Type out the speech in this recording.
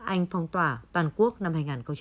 anh phong tỏa toàn quốc năm hai nghìn hai mươi